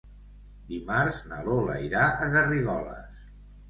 Dimarts na Lola irà a Garrigoles.